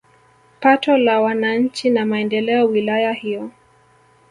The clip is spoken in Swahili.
Pato la wananchi na maendeleo wilaya hiyo